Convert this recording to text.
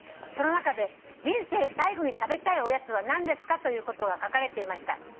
「その中で『人生最後に食べたいおやつは何ですか？』ということが書かれていました」